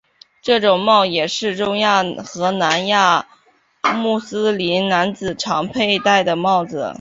这种帽也是中亚和南亚穆斯林男子常佩戴的帽子。